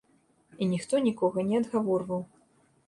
І ніхто нікога не адгаворваў.